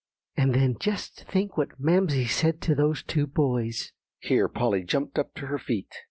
"And then just think what Mamsie said to those two boys." Here Polly jumped up to her feet.